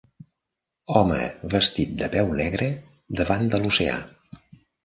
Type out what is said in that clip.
Home vestit de peu negre davant de l'oceà.